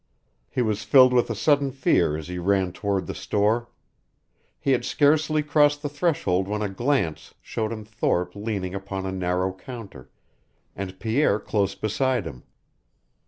He was filled with a sudden fear as he ran toward the store. He had scarcely crossed the threshold when a glance showed him Thorpe leaning upon a narrow counter, and Pierre close beside him.